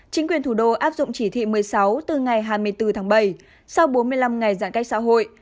chính quyền thủ đô áp dụng chỉ thị một mươi sáu từ ngày hai mươi bốn tháng bảy sau bốn mươi năm ngày giãn cách xã hội